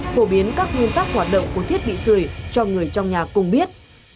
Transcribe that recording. phổ biến các nguyên tắc hoạt động của thiết bị sửa cho người trong nhà cùng biết